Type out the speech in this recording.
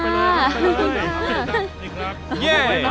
รับไปเลย